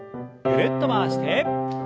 ぐるっと回して。